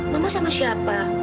mama sama siapa